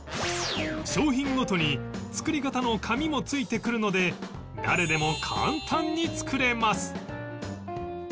商品ごとに作り方の紙も付いてくるので誰でも簡単に作れます